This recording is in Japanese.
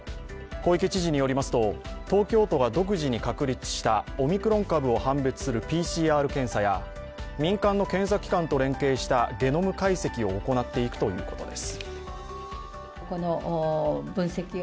小池知事によりますと東京都が独自に確立したオミクロン株を判別するＰＣＲ検査や民間の検査機関と連携したゲノム解析を行っていくということです。